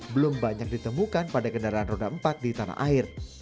belum banyak ditemukan pada kendaraan roda empat di tanaman